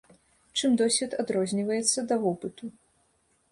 Чым досвед адрозніваецца да вопыту?